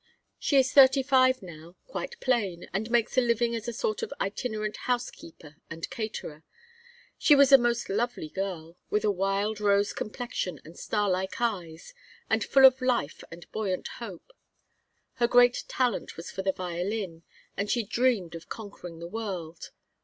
She is thirty five now, quite plain, and makes a living as a sort of itinerant housekeeper and caterer. She was a most lovely girl, with a wild rose complexion and starlike eyes, and full of life and buoyant hope. Her great talent was for the violin, and she dreamed of conquering the world.